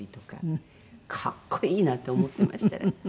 格好いいなと思ってました。